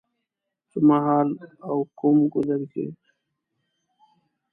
څه مهال او کوم ګودر کې